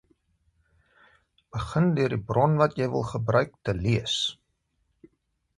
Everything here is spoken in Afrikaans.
Begin deur die bron wat jy wil gebruik, te lees.